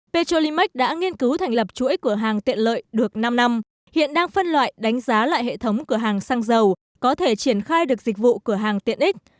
petrolimax đã nghiên cứu thành lập chuỗi cửa hàng tiện lợi được năm năm hiện đang phân loại đánh giá lại hệ thống cửa hàng xăng dầu có thể triển khai được dịch vụ cửa hàng tiện ích